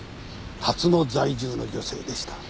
龍野在住の女性でした。